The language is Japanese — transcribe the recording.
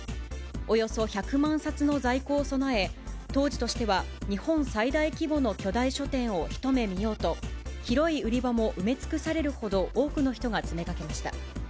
およそ１００万冊の在庫を備え、当時としては日本最大規模の巨大書店を一目見ようと、広い売り場も埋め尽くされるほど多くの人が詰めかけました。